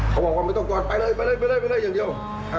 เขาว่าไม่ต้องกวนไปเลยอย่างเดียว